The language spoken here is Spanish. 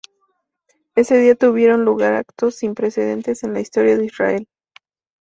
Ese día tuvieron lugar actos sin precedentes en la historia de Israel.